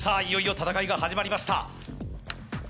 いよいよ戦いが始まりました。